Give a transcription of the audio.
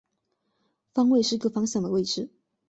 方位是各方向的位置。